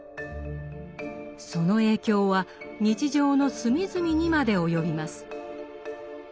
その影響は日常の隅々にまで及びます。